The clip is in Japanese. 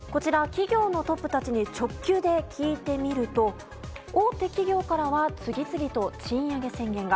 こちら、企業のトップたちに直球で聞いてみると大手企業からは次々と賃上げ宣言が。